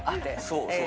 そう、そう。